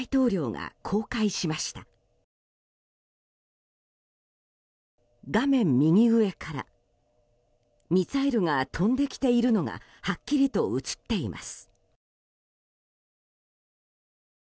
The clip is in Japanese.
画面右上からミサイルが飛んできているのがはっきりと映っています。